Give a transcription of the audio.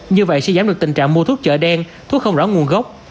như vậy sẽ giảm được tình trạng mua thuốc chợ đen thuốc không rõ nguồn gốc